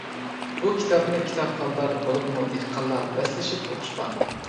بۇ كىتابنى كىتابخانلار، بولۇپمۇ دېھقانلار بەسلىشىپ ئوقۇشقان.